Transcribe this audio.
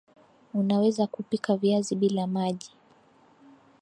Unaweza Kupika viazi bila maji